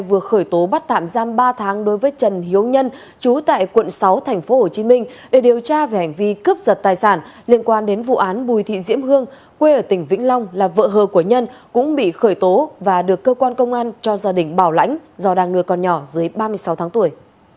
vừa khởi tố bắt tạm giam ba tháng đối với trần hiếu nhân chú tại quận sáu tp hcm để điều tra về hành vi cướp giật tài sản liên quan đến vụ án bùi thị diễm hương quê ở tỉnh vĩnh long là vợ hờ của nhân cũng bị khởi tố và được cơ quan công an cho gia đình bảo lãnh do đang nuôi con nhỏ dưới ba mươi sáu tháng tuổi